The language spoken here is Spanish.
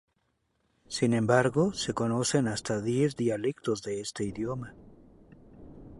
Sin embargo se conocen hasta diez dialectos de este idioma.